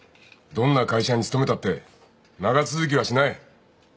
どんな会社に勤めたって長続きはしない。